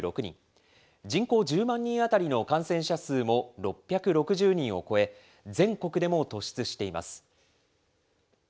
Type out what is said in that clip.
人口１０万人当たりの感染者数も６６０人を超え、全国でも突出しています。